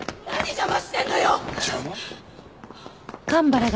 邪魔？